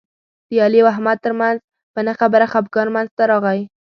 د علي او احمد ترمنځ په نه خبره خپګان منځ ته راغی.